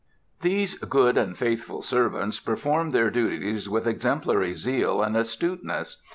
These good and faithful servants performed their duties with exemplary zeal and astuteness.